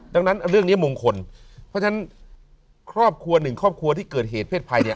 ดังนั้นเรื่องนี้มงคลเพราะฉะนั้นครอบครัวหนึ่งครอบครัวที่เกิดเหตุเพศภัยเนี่ย